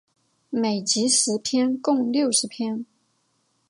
每集十篇共六十篇。